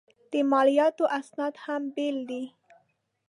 د مالیاتو اسناد هم بېل دي.